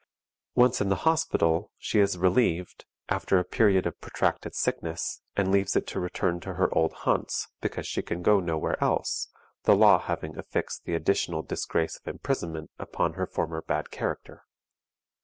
Once in the hospital, she is relieved, after a period of protracted sickness, and leaves it to return to her old haunts, because she can go nowhere else, the law having affixed the additional disgrace of imprisonment upon her former bad character.